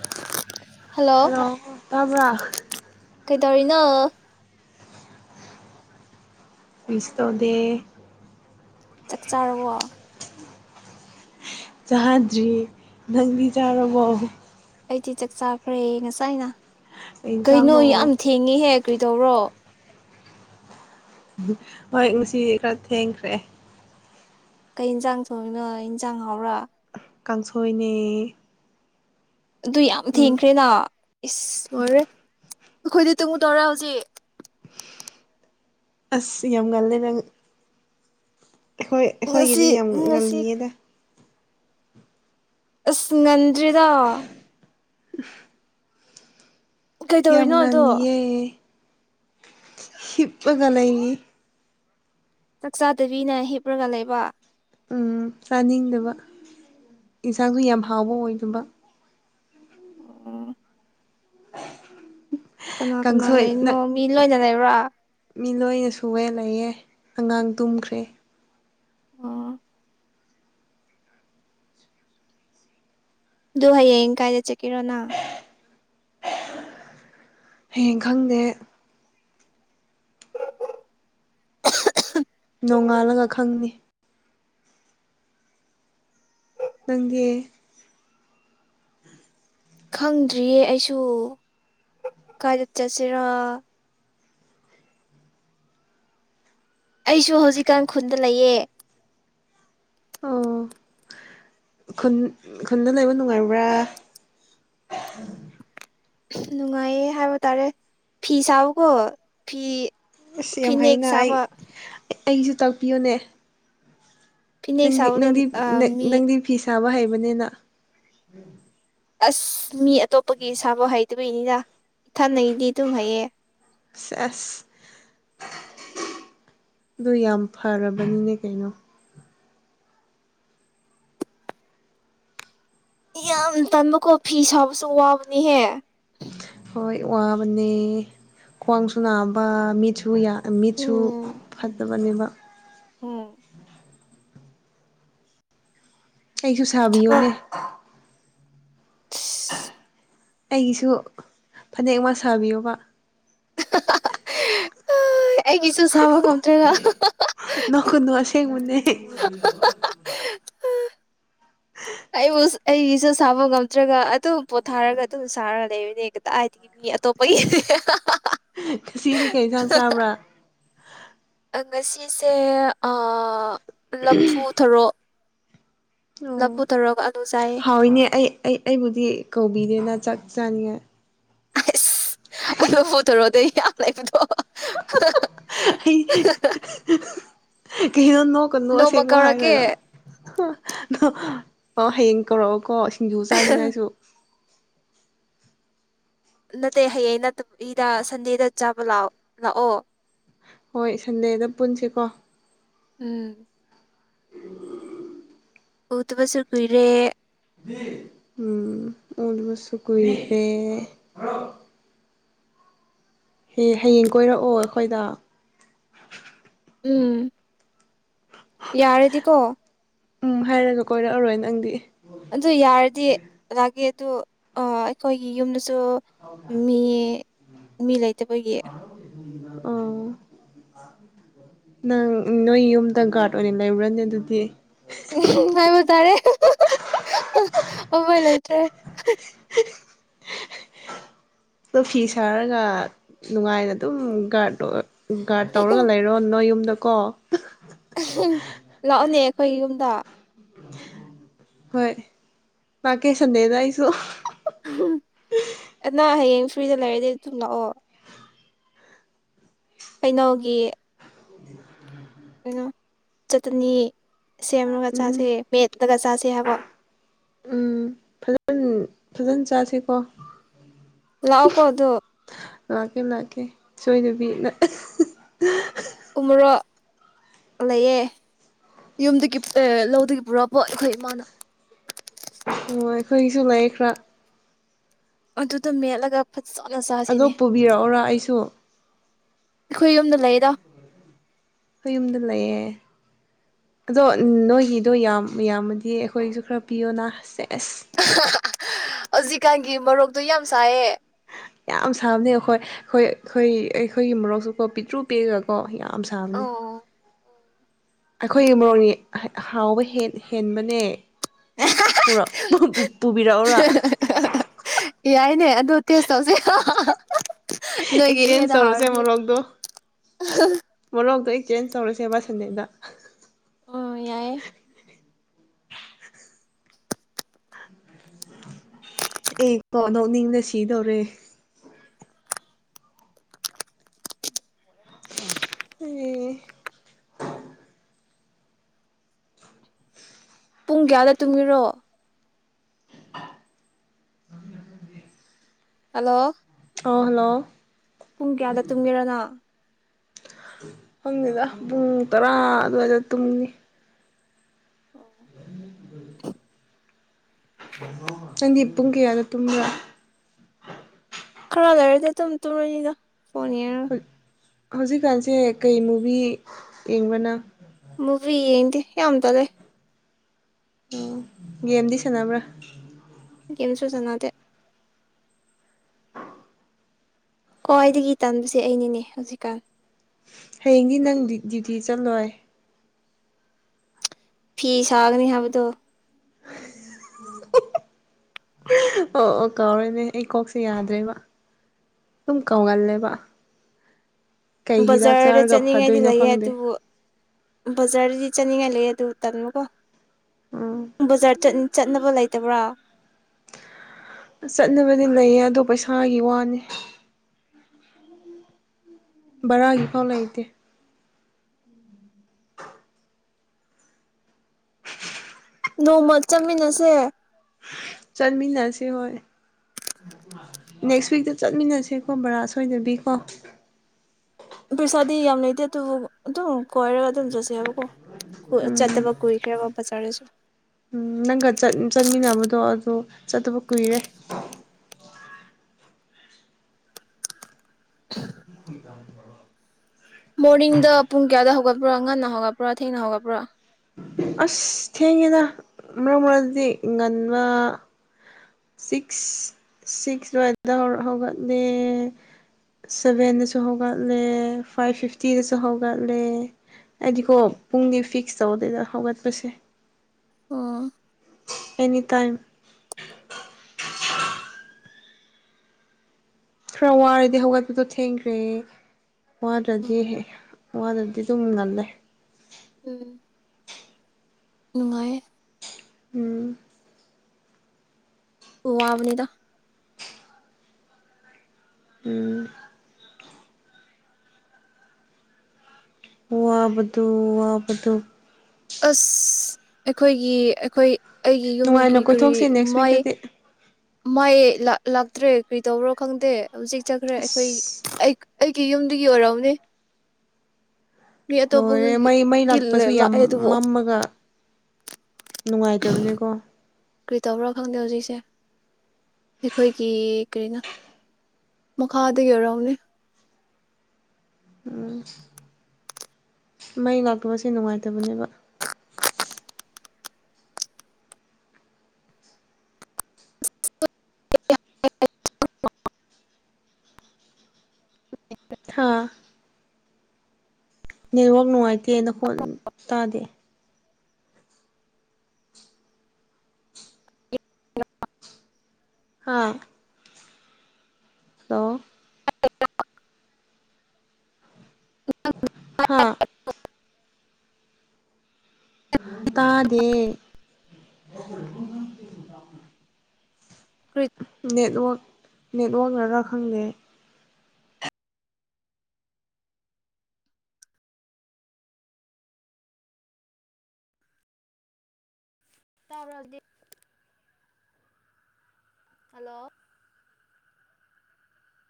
[inaudible] Hello ꯇꯕ꯭ꯔ ꯀꯩꯗꯧꯔꯤꯅꯣ ꯀ꯭ꯔꯤꯁꯨ ꯇꯧꯗꯦ ꯆꯥꯛ ꯆꯥꯔꯕꯣ ꯆꯥꯗ꯭ꯔꯤ ꯅꯪꯗꯤ ꯆꯥꯔꯕꯣ ꯑꯩꯗꯤ ꯆꯥꯛ ꯆꯥꯈ꯭ꯔꯦ ꯉꯁꯥꯏꯅ ꯀꯩ ꯀꯩꯅꯣ ꯏꯟꯁꯥꯡꯅꯣ ꯌꯥꯝ ꯊꯦꯡꯉꯤꯍꯦ ꯀꯩꯗꯧꯔꯣ ꯍꯣꯏ ꯉꯁꯤ ꯈꯔ ꯊꯦꯡꯈ꯭ꯔꯦ ꯀꯩ ꯌꯦꯟꯁꯥꯡ ꯊꯣꯡꯏꯅꯣ ꯏꯟꯖꯥꯡ ꯍꯥꯎꯕꯔꯥ ꯀꯥꯡꯁꯣꯏꯅꯦ ꯑꯗꯨ ꯌꯥꯝ ꯎꯝ ꯊꯦꯡꯈ꯭ꯔꯦꯅ ꯏꯁ ꯂꯣꯏꯔꯦ ꯑꯩꯈꯣꯏꯗꯤ ꯇꯨꯝꯒꯗꯧꯔꯦ ꯍꯧꯖꯤꯛ ꯑꯁ ꯌꯥꯝ ꯉꯜꯂꯦ ꯅꯪ ꯑꯩꯈꯣꯏ ꯑꯩꯈꯣꯏꯒꯤꯗꯤ ꯉꯁꯤ ꯌꯥꯝ ꯉꯁꯤ ꯉꯜꯂꯤꯌꯦꯗ ꯑꯁ ꯉꯟꯗꯔ꯭ꯦꯗꯥ [unintelligible] ꯌꯥꯝ ꯀꯩꯗꯧꯔꯤꯅꯣ ꯑꯗꯣ ꯉꯜꯂꯤꯌꯦ ꯍꯤꯞꯄꯒ ꯂꯩꯔꯤꯅꯤ ꯆꯥꯛ ꯆꯥꯥꯗꯕꯤꯅ ꯍꯤꯞꯔꯒ ꯂꯩꯕ ꯎꯝ ꯆꯥꯅꯤꯡꯗꯕ ꯌꯦꯟꯁꯥꯡꯁꯨ ꯌꯥꯝ ꯍꯥꯎꯕ ꯑꯣꯏꯗꯕ [unintelligible] [inaudible] ꯀꯅꯥ ꯀꯅꯥ ꯀꯥꯡꯁꯣꯏ ꯂꯩꯔꯤꯅꯣ ꯃꯤ ꯂꯣꯏꯅ ꯂꯩꯔ [inaudible] ꯃꯤ ꯂꯣꯏꯅ ꯁꯨꯑꯦ ꯂꯩꯌꯦ ꯑꯉꯥꯡ ꯇꯨꯝꯈ꯭ꯔꯦ [unintelligible] ꯑꯗꯨ ꯍꯌꯦꯡ ꯀꯥꯏꯗ ꯆꯠꯀꯤꯔꯣ ꯅꯥ ꯍꯌꯦꯡ ꯈꯪꯗꯦ [unintelligible] ꯅꯣꯡꯉꯥꯜꯂꯒ ꯈꯪꯅꯤ ꯅꯪꯗꯤ [unintelligible] ꯈꯪꯗ꯭ꯔꯤꯌꯦ ꯑꯩꯁꯨ ꯀꯥꯏꯗ ꯆꯠꯁꯤꯔ ꯑꯩꯁꯨ ꯍꯧꯖꯤꯛꯀꯥꯟ ꯈꯨꯟꯗ ꯂꯩꯑꯦ ꯑꯣ ꯈꯨꯟ ꯈꯨꯟꯗ ꯂꯩꯕ ꯅꯨꯡꯉꯥꯏꯕ꯭ꯔꯥ ꯅꯨꯡꯉꯥꯏꯌꯦ ꯍꯥꯏꯕ ꯇꯥꯔꯦ ꯐꯤ ꯁꯥꯎꯀꯣ ꯐꯤ ꯑꯁꯤ ꯌꯥꯝ ꯐꯤꯅꯦꯛ ꯍꯩꯅ ꯑꯩ ꯁꯥꯕ ꯑꯩꯁꯨ ꯇꯥꯛꯄꯤꯌꯨꯅꯦ ꯐꯤꯅꯦꯛ ꯅꯪꯗꯤ ꯁꯥꯕꯗ ꯅꯪꯗꯤ ꯅ ꯃꯤ ꯅꯪꯗꯤ ꯐꯤꯁ ꯆꯥꯕ ꯍꯩꯕꯅꯤꯅ ꯑꯁ ꯃꯤ ꯑꯇꯣꯞꯄꯒꯤ ꯁꯥꯥꯐ ꯍꯩꯇꯕ ꯏꯅꯤꯅ ꯏꯊꯟꯅꯗꯤ ꯑꯗꯨꯝ ꯍꯩꯌꯦ ꯑꯁ ꯑꯁ ꯑꯗꯨ ꯌꯥꯝ ꯐꯔꯕꯅꯤꯅꯦ ꯀꯩꯅꯣ ꯇꯝꯕ ꯀꯣ ꯐꯤ ꯁꯥꯕꯁꯨ ꯋꯥꯕꯅꯤꯍꯦ ꯍꯣꯏ ꯋꯥꯕꯅꯦ ꯈ꯭ꯋꯥꯡꯁꯨ ꯅꯥꯕ ꯃꯤꯠꯁꯨ ꯌꯥ ꯃꯤꯠꯁꯨ ꯐꯠꯇꯕꯅꯤꯕ ꯍꯝ ꯊꯕꯛ ꯀꯩꯁꯨꯁꯥꯕꯤꯎꯅꯦ ꯑꯩꯒꯤꯁꯨ ꯐꯅꯦꯛ ꯑꯃ ꯁꯥꯕꯤꯌꯣꯕ ꯍꯣꯏ ꯑꯩꯒꯤꯁꯨ ꯁꯥꯕ ꯉꯝꯗ꯭ꯔꯦꯔꯥ ꯅꯣꯛꯀꯅꯨ ꯑꯁꯦꯡꯕꯅꯦ ꯑꯩꯕꯨ ꯑꯩꯒꯤꯁꯨ ꯁꯥꯕ ꯉꯝꯗ꯭ꯔꯒ ꯑꯗꯨꯝ ꯄꯣꯊꯥꯔꯒ ꯑꯗꯨꯝ ꯁꯥꯔꯒ ꯂꯩꯕꯅꯦ ꯗꯥ ꯍꯥꯏꯗꯤ ꯃꯤ ꯑꯇꯣꯞꯄꯒꯤ ꯁꯤꯅꯤ ꯀꯩ ꯌꯦꯟꯁꯥꯡ ꯆꯥꯕ꯭ꯔꯥ ꯉ ꯁꯤꯁꯦ ꯂꯞꯐꯨꯊꯔꯣ ꯑꯣ ꯆꯥꯏꯌꯦ ꯍꯥꯎꯏꯅꯦ ꯑꯩ ꯑꯩ ꯑꯩꯕꯨꯗꯤ ꯀꯧꯕꯤꯔꯦꯅ ꯆꯀ ꯆꯥꯏꯌꯦ ꯑꯁ ꯂꯐꯨ ꯊꯥꯔꯣꯗꯤ ꯌꯥꯝ ꯂꯩꯕꯗꯣ ꯑꯩ ꯍꯥ ꯍꯥ ꯀꯩ ꯅꯣ ꯅꯣꯛ ꯀ ꯅꯨ ꯅꯣꯡꯃ ꯑꯁꯦꯡꯕ ꯀꯧꯔꯛꯀꯦ ꯍꯥꯏꯔꯒ ꯑ ꯍꯌꯦꯡ ꯀꯧꯔꯛꯑꯣ ꯀꯣ ꯁꯤꯡꯖꯨ ꯆꯥꯅꯤꯡꯉꯥꯏꯁꯨ ꯅꯠꯇꯦ ꯍꯌꯦꯡ ꯅꯠꯇꯕ ꯏꯗ ꯁꯟꯗꯦꯗ ꯆꯥꯕ ꯂꯥꯛꯑꯣ ꯂꯥꯛꯑꯣ ꯍꯣꯏ ꯁꯟꯗꯦꯗ ꯄꯨꯟꯁꯤꯀꯣ ꯎꯝ ꯑꯣ ꯇꯕꯁꯨ ꯀꯨꯏꯔꯦ ꯎꯝ ꯎꯗꯕꯁꯨ ꯀꯨꯏꯔꯦ ꯍꯦ ꯍꯌꯦꯡ ꯀꯣꯏꯔꯛꯑꯣ ꯑꯩꯈꯣꯏꯗ ꯎꯝ ꯌꯥꯔꯦꯗꯤꯀꯣ ꯎꯝ ꯍꯥꯏꯔꯒ ꯀꯣꯏꯔꯛꯑꯔꯣꯏ ꯅꯪꯗꯤ ꯑꯗꯨ ꯌꯥꯔꯗꯤ ꯂꯥꯛꯑꯒꯦ ꯑꯗꯨ ꯑ ꯑꯩꯈꯣꯏꯒꯤ ꯌꯨꯝꯗ ꯁꯣ ꯃꯤ ꯃꯤ ꯂꯩꯇꯕꯒꯤ ꯑꯣ ꯅꯪ ꯅꯣꯏ ꯌꯨꯝꯗ ꯒꯥꯔꯗ ꯑꯣꯏꯅ ꯂꯩꯔꯨꯔꯅꯤ ꯑꯗꯨꯗꯤ ꯎꯝ ꯍꯥꯏꯕ ꯇꯥꯔꯦ ꯑꯣꯕꯣꯏ ꯂꯩꯇ꯭ꯔꯦ ꯑꯗꯣ ꯐꯤ ꯁꯥꯔꯒ ꯅꯨꯡꯉꯥꯏꯅ ꯑꯗꯨꯝ ꯒꯥꯔꯗꯣ ꯒꯥꯔ ꯇꯧꯔꯒ ꯂꯩꯔꯣ ꯅꯣꯏ ꯌꯨꯝꯗ--꯫ ꯀꯣ ꯂꯑꯣꯅꯦ ꯐꯩ ꯌꯨꯝꯗ ꯍꯣꯏ ꯃꯥꯀꯦ ꯁꯟꯗꯦꯗ ꯑꯁꯨ ꯑꯅꯥ ꯍꯌꯦꯡ ꯐ꯭ꯔꯤꯗ ꯂꯩꯔꯗꯤ ꯊꯨꯝ ꯂꯥꯛꯑꯣ ꯍꯩꯅꯧꯒꯤ ꯀꯩꯅꯣ ꯆꯠꯅꯤ ꯎꯝ ꯁꯦꯃꯅꯒꯆꯥꯁꯦ ꯃꯦꯠ ꯀꯆꯥꯁꯦ ꯌꯥꯦꯕ ꯎꯝ ꯐꯖꯅ ꯐꯖꯅ ꯆꯁꯤꯀꯣ ꯂꯥꯛꯀꯣꯗꯣ ꯂꯥꯛꯀꯦ ꯂꯥꯛꯀꯦ ꯁꯣꯏꯗꯕꯤ ꯎꯃꯔꯣ ꯂꯩꯌꯦꯦ ꯌꯨꯝꯗꯒꯤ ꯂꯧꯗꯒꯤ ꯄꯨꯔꯛꯑꯕꯣ ꯑꯩꯈꯣꯏ ꯏꯃꯥꯅ ꯑꯣ ꯑꯩꯈꯣꯏꯒꯤꯁꯨ ꯂꯩ ꯈꯔꯥ ꯑꯗꯨꯗꯣ ꯃꯦꯠꯂꯒ ꯐ ꯑꯗꯣ ꯄꯨꯕꯤꯔꯛꯎꯔ ꯑꯩꯁꯨ ꯑꯩꯈꯣꯏ ꯌꯨꯝꯗ ꯂꯩꯔ ꯑꯩꯣꯏ ꯌꯨꯝꯗ ꯂꯩꯌꯦꯦ ꯑꯗꯣ ꯅꯣꯏꯒꯤꯗꯣ ꯌꯥꯝ ꯌꯥꯝꯃꯗꯤ ꯑꯩꯈꯣꯏꯒꯤꯁꯨ ꯈꯔ ꯄꯤꯌꯣꯅ ꯑꯁꯁꯦ ꯑꯁ ꯍꯧꯖꯤꯛꯀꯥꯟꯒꯤ ꯃꯔꯣꯛ ꯌꯥꯝ ꯁꯥꯕꯅꯤ ꯑꯩꯈꯣꯏ ꯍꯣꯏ ꯑꯩꯈꯣꯏ ꯑꯩꯈꯣꯏꯒꯤ ꯃꯔꯣꯛꯁꯨꯀꯣ ꯄꯤꯛꯇ꯭ꯔꯨ ꯄꯤꯛꯑꯒꯀꯣ ꯌꯥꯝ ꯑꯁꯥꯔꯅꯦ ꯑꯩꯈꯣꯏꯒꯤ ꯃꯣꯛꯁ ꯍꯥꯎꯕ ꯍꯦꯟꯕꯅꯦ ꯄꯨꯔꯛ ꯄꯨꯕꯤꯔꯛꯎꯔꯥ ꯌꯥꯏꯅꯦ ꯑꯗꯨ ꯇꯦꯁ ꯇꯧꯁꯦ ꯅꯣꯏꯒꯤ ꯑꯦꯛꯆꯦꯟꯖ ꯍꯦꯟꯅ ꯇꯧꯔꯁꯦ ꯍꯥꯎꯔꯗꯤ ꯃꯣꯔꯣꯛꯇꯣ ꯃꯣꯔꯣꯛꯇꯣ ꯆꯦꯟꯖ ꯇꯧꯔꯁꯦꯕꯥ ꯁꯟꯗꯩꯗ ꯑ ꯌꯥꯏꯑꯌꯦ ꯑꯦ ꯀꯣ ꯅꯧꯅꯤꯡꯅ ꯁꯤꯗꯧꯔꯦ ꯑꯦ ꯄꯨꯡ ꯀꯌꯥꯗ ꯇꯨꯝꯕꯤꯔꯣ ꯍꯜꯂꯣ ꯑꯍꯂꯣ ꯄꯨꯡ ꯀꯌꯥꯗ ꯇꯨꯝꯒꯦꯔꯅꯣ ꯐꯪꯉꯤꯗ ꯄꯨꯡ ꯇꯔꯥ ꯑꯗꯨꯋꯥꯏꯗ ꯇꯨꯝꯉ ꯅꯪꯗꯤ ꯄꯨꯡ ꯀꯌꯥꯗ ꯇꯨꯝꯕ ꯈꯔ ꯂꯩꯔꯗꯤ ꯇꯨꯝ ꯇꯨꯝꯔꯅꯤꯗ ꯐꯅꯤꯔ ꯍꯧꯖꯤꯛꯀꯥꯟꯁꯦ ꯀꯩ ꯃꯨꯚꯤ ꯌꯦꯡꯕꯅ ꯐ ꯀꯗꯤ ꯌꯥꯝꯗ ꯂꯩ ꯎꯝ ꯒꯦꯝꯗꯤ ꯁꯥꯟꯅꯕ꯭ꯔꯥ ꯀꯦꯝꯁꯨ ꯆꯟꯅꯗꯦ ꯈꯋ꯭ꯥꯢꯗꯒꯤ ꯇꯟꯕꯁꯦ ꯑꯩꯅꯤꯅꯦ ꯍꯧꯖꯤꯛꯀꯥꯟ ꯍꯌꯦꯡꯗꯤ ꯅꯪ ꯗ꯭ꯌꯨꯇꯤ ꯆꯠꯂꯣꯏ ꯐꯤ ꯁꯥꯒꯅꯤ ꯍꯥꯏꯕꯗꯣ ꯑꯣ ꯑꯣ ꯀꯥꯎꯔꯦꯅꯦ ꯑꯩ ꯀꯣꯛꯁꯦ ꯌꯥꯗ꯭ꯔꯦꯕ ꯑꯗꯨꯝ ꯀꯥꯎꯒꯜꯂꯦꯕ ꯀꯩ ꯍꯤꯗꯥꯛ ꯕꯖꯥꯔꯗ ꯆꯥꯔꯒ ꯆꯠꯅꯤꯡꯉꯥꯏꯗꯤ ꯐꯗꯣꯏꯅꯣ ꯂꯩꯌꯦ ꯈꯪꯗꯦ ꯑꯗꯨꯕꯨ ꯕꯖꯥꯔꯗꯗꯤ ꯆꯠꯅꯤꯡꯉꯥꯏ ꯂꯩ ꯑꯗꯨ ꯇꯟꯕꯀꯣ ꯎꯝ ꯕꯖꯥꯔ ꯆꯠꯅꯕ ꯂꯩꯇꯕ꯭ꯔꯥ ꯆꯠꯅꯕꯗꯤ ꯂꯩꯌꯦ ꯑꯗꯣ ꯄꯩꯁꯥꯒꯤ ꯋꯥꯅꯤ ꯕꯔꯥꯒꯤꯐꯥꯎ ꯂꯩꯇꯦ ꯅꯣꯡꯃ ꯆꯠꯃꯤꯟꯅꯁꯦ ꯆꯠꯃꯤꯟꯅꯁꯦ ꯍꯣꯏ ꯅꯦꯛꯁ ꯋꯤꯛꯇ ꯆꯠꯃꯤꯟꯅꯁꯦꯀꯣ ꯕꯔꯥ ꯁꯣꯏꯗꯕꯤꯀꯣ ꯄꯩꯁꯥꯗꯤ ꯌꯥꯝ ꯂꯩꯇꯦ ꯑꯗꯨꯕꯨ ꯑꯗꯨꯝ ꯀꯣꯏꯔꯒ ꯑꯗꯨꯝ ꯆꯠꯁꯦꯕꯀꯣ ꯆꯠꯇꯕ ꯎꯝ ꯀꯨꯏꯈ꯭ꯔꯦꯕ ꯕꯖꯥꯔꯁꯨ ꯅꯪꯒ ꯆꯠꯃꯤꯟꯅꯕꯗꯣ ꯑꯗꯨ ꯆꯠꯇꯕ ꯀꯨꯏꯔꯦ [unintelligible] ꯃꯣꯔꯅꯤꯡꯗ ꯄꯨꯡ ꯀꯌꯥꯗꯥ ꯍꯧꯒ ꯄꯔꯥ ꯉꯟꯅ ꯍꯧꯒꯠꯄꯔꯥ ꯊꯦꯡꯅ ꯍꯩꯒꯠꯄꯔꯥ ꯑꯁ ꯊꯦꯡꯉꯦꯗ ꯃꯔꯛ ꯃꯔꯛꯗꯤ ꯉꯟꯕ ꯁꯤꯛꯁ ꯁꯤꯛꯁ ꯑꯗꯨꯋꯥꯏꯗ ꯍꯧꯒꯠꯂꯦ ꯁꯚꯦꯟꯗꯁꯨ ꯍꯧꯒꯠꯂꯦ ꯐꯥꯏꯚ ꯐꯤꯐꯇꯤꯗꯁꯨ ꯍꯧꯒꯠꯂꯦ ꯑꯩꯗꯤꯀꯣ ꯄꯨꯡꯗꯤ ꯐꯤꯛꯁ ꯇꯧꯗꯦꯗ ꯍꯧꯒꯠꯄꯁꯦ ꯑꯣ ꯑꯦꯅꯤ ꯇꯥꯏꯝ ꯈꯔ ꯋꯥꯔꯗꯤ ꯍꯧꯒꯠꯄꯗꯣ ꯊꯦꯡꯈ꯭ꯔꯦ ꯋꯥꯗ꯭ꯔꯗꯤ ꯋꯥꯗ꯭ꯔꯗꯤ ꯑꯗꯨꯝ ꯉꯜꯂꯦ ꯎꯝ ꯅꯨꯡꯉꯥꯏ ꯎꯝ ꯋꯥꯕꯅꯤꯗ ꯎꯝ ꯋꯥꯕꯗꯨ ꯋꯥꯕꯗꯨ ꯑꯁ ꯑꯩꯈꯣꯏꯒꯤ ꯑꯩꯈꯣꯏ ꯑꯩꯒꯤ ꯅꯨꯡꯉꯥꯏꯅ ꯌꯨꯝꯒꯤ ꯀꯔꯤ ꯀꯣꯏꯊꯣꯛꯁꯦ ꯅꯦꯛꯁ ꯃꯥꯏ ꯋꯤꯛꯇꯗꯤ ꯃꯥꯏ ꯂꯥꯛꯇ꯭ꯔꯦ ꯀꯔꯤꯗꯧꯕꯔ ꯈꯪꯗꯦ ꯍꯧꯖꯤꯛ ꯆꯠꯈ꯭ꯔꯦ ꯑꯩꯈꯣꯏ ꯑꯁ ꯑꯩꯒꯤ ꯌꯨꯝꯗꯨꯒꯤ ꯑꯣꯏꯔꯝꯅꯤ ꯃꯤ ꯂꯣꯏꯔꯦ ꯃꯩ ꯃꯩ ꯑꯇꯣꯞꯄꯒꯤ ꯂꯥꯛꯄꯁꯨ ꯌꯥꯝ ꯂꯥꯛꯑꯦ ꯑꯗꯨꯕꯨ ꯃꯝꯃꯒ ꯅꯨꯡꯉꯥꯏꯇꯕꯅꯦꯀꯣ ꯀꯔꯤ ꯇꯧꯕꯔꯥ ꯈꯪꯗꯦ ꯍꯧꯖꯤꯛꯁꯦ ꯑꯩꯈꯣꯏꯒꯤ ꯀꯔꯤꯅ ꯃꯈꯥꯗꯒꯤ ꯑꯣꯏꯔꯛꯅꯤ ꯎꯝ ꯃꯩ ꯂꯥꯛꯇꯕꯁꯦ ꯅꯨꯡꯉꯥꯏꯇꯕꯅꯦꯕ [unintelligible] ꯍꯥ ꯅꯦꯠꯋꯥꯛ ꯅꯨꯡꯉꯥꯏꯇꯦ ꯅꯈꯣꯟ ꯇꯥꯗꯦ ꯍꯥ [unintelligible] [unintelligible] ꯍꯥ ꯇꯥꯗꯦ ꯀꯔꯤ ꯅꯦꯠꯋ꯭ꯔꯥꯛ ꯅꯦꯠꯋꯥꯛ ꯅꯔꯥ ꯈꯪꯗꯦ ꯇꯕ꯭ꯔꯥ ꯑꯗꯨꯗꯤ ꯍꯜꯂꯣ